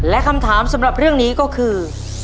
และคำถามสำหรับเรื่องนี้ก็คือ